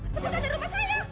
seperti di rumah saya